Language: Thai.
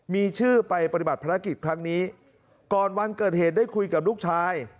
มีชื่อไปปฏิบัติภารกิจครั้งนี้ก่อนวันเกิดเหตุได้คุยกับลูกชาย